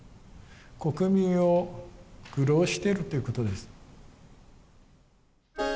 国民を愚弄してるっていうことです。